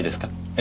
え？